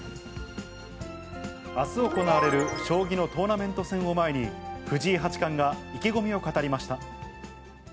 あす行われる将棋のトーナメント戦を前に、藤井八冠が意気込みを語りました。